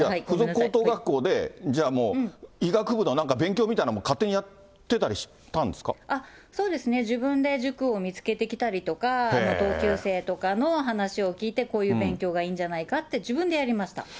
附属高等学校で、医学部のなんか、勉強みたいなものを勝手にそうですね、自分で塾を見つけてきたりとか、同級生とかの話を聞いて、こういう勉強がいいんじゃないかって、自分でやりました。